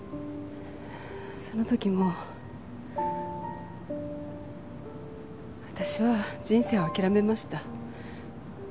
その時もう私は人生を諦めました。